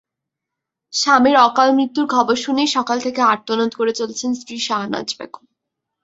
স্বামীর অকাল মৃত্যুর খবর শুনেই সকাল থেকে আর্তনাদ করে চলেছেন স্ত্রী শাহনাজ বেগম।